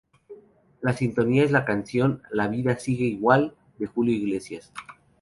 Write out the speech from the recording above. La sintonía es la canción "La vida sigue igual" de Julio Iglesias.